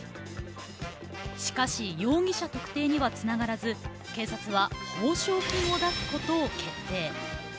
しかし容疑者特定にはつながらず警察は報償金を出すことを決定。